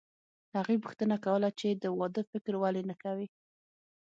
هغې پوښتنه کوله چې د واده فکر ولې نه کوې